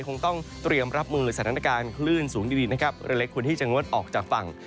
คงต้องเตรียมรับมือสถานการณ์คลื่นสูงดีนะครับเรือเล็กควรที่จะงดออกจากฝั่ง